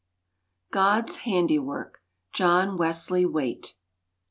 GOD'S HANDIWORK. JOHN WESLEY WAITE.